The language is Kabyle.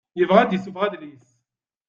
Yebɣa ad d-isuffeɣ adlis.